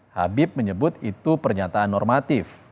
habib menyebut itu pernyataan normatif